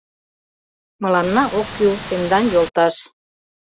Мыланна ок кӱл тендан йолташ